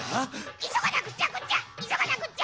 いそがなくっちゃくちゃいそがなくっちゃ！